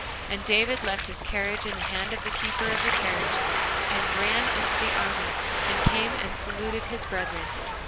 And David left his carriage in the hand of the keeper of the carriage, and ran into the army, and came and saluted his brethren.